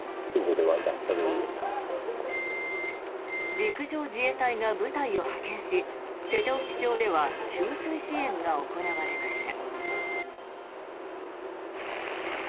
陸上自衛隊が部隊を派遣し瀬戸内町では給水支援が行われました。